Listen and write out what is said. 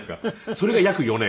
それが約４年。